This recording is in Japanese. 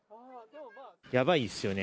やばいんですよね。